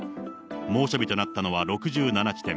猛暑日となったのは６７地点。